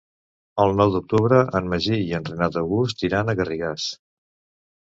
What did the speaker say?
El nou d'octubre en Magí i en Renat August iran a Garrigàs.